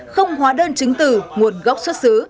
không hóa đơn chứng từ nguồn gốc xuất xứ